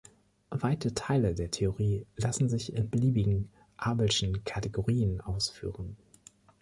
Weite Teile der Theorie lassen sich in beliebigen abelschen Kategorien ausführen.